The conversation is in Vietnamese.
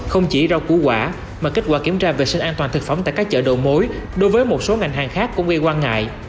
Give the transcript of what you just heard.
không chỉ rau củ quả mà kết quả kiểm tra vệ sinh an toàn thực phẩm tại các chợ đầu mối đối với một số ngành hàng khác cũng gây quan ngại